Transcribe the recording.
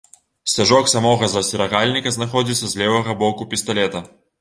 Сцяжок самога засцерагальніка знаходзіцца з левага боку пісталета.